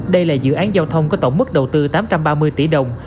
đây là dự án giao thông có tổng mức đầu tư tám trăm ba mươi tỷ đồng